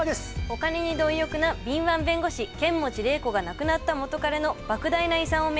お金に貪欲な敏腕弁護士剣持麗子が亡くなった元カレの莫大な遺産を巡って。